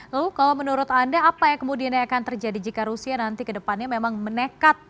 lalu kalau menurut anda apa yang kemudian akan terjadi jika rusia nanti ke depannya memang menekat